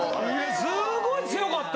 すごい強かった。